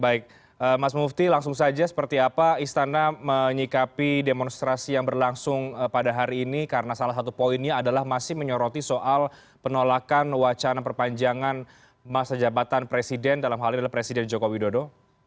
baik mas mufti langsung saja seperti apa istana menyikapi demonstrasi yang berlangsung pada hari ini karena salah satu poinnya adalah masih menyoroti soal penolakan wacana perpanjangan masa jabatan presiden dalam hal ini adalah presiden joko widodo